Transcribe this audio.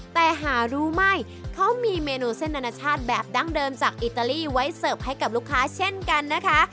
แต่หารู้ไม่เขามีเมนูเส้นอนาชาติแบบดั้งเดิมจากอิตาลีไว้เสิร์ฟให้กับลูกค้าเช่นกันนะคะ